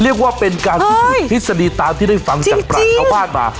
เรียกว่าเป็นการที่สนิทที่สนิทตามที่ได้ฝังจากปรัสเอาบ้านมา